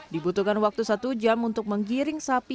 dibutuhkan waktu satu jam untuk menggiring sapi